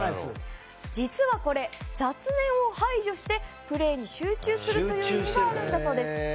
実はこれ、雑念を排除してプレーに集中するという意味があるそうです。